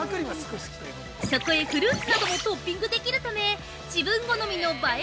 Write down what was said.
そこへフルーツなどもトッピングできるため、自分好みの映え